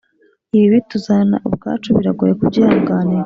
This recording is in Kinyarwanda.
ibibi tuzana ubwacu biragoye kubyihanganira.